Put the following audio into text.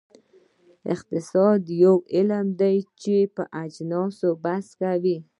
اقتصاد یو علم دی چې په اجناسو بحث کوي.